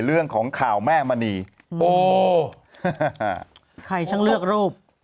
เรื่องของข่าวแม่มณีโอ้ใครช่างเลือกรูป